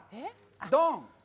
ドン！